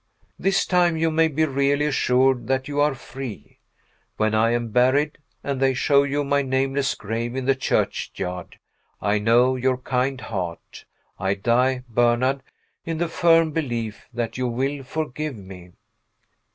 This time you may be really assured that you are free. When I am buried, and they show you my nameless grave in the churchyard, I know your kind heart I die, Bernard, in the firm belief that you will forgive me.